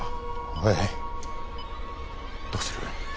おいどうする？